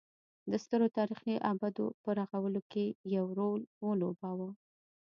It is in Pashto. د سترو تاریخي ابدو په رغولو کې یې رول ولوباوه.